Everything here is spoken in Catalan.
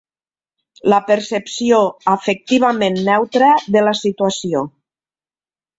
La percepció afectivament neutra de la situació.